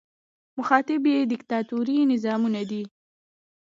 مخاطب یې دیکتاتوري نظامونه دي.